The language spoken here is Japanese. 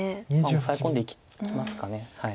オサエ込んでいきますか。